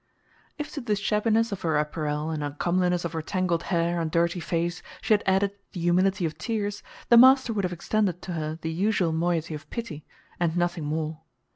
If to the shabbiness of her apparel and uncomeliness of her tangled hair and dirty face she had added the humility of tears, the master would have extended to her the usual moiety of pity, and nothing more.